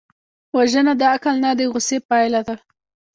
وژنه د عقل نه، د غصې پایله ده